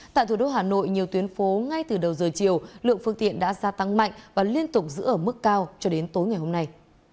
tại thủ đô hà nội nhiều tuyến phố ngay từ đầu giờ chiều lượng phương tiện đã gia tăng mạnh và liên tục giữ ở mức cao cho đến tối ngày hôm nay